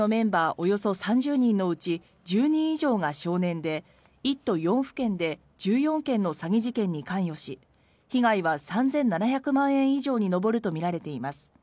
およそ３０人のうち１０人以上が少年で１都４府県で１４件の詐欺事件に関与し被害は３７００万円以上に上るとみられています。